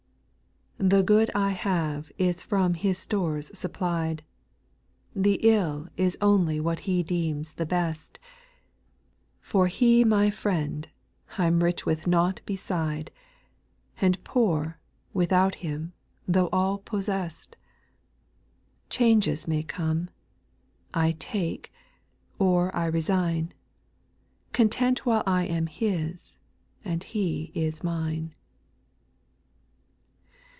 8. The good I have is from His stores supplied, The ill is only what He deems the best ; He for my Friend, I 'm rich with naught be side. And poor, without Him, though of all pos sest ; Changes may come, — I take, or I resign, Content while I am His, and He is mine.